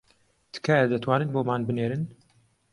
تکایە دەتوانن بۆمان بنێرن